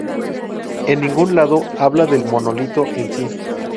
En ningún lado hablaba del monolito en sí".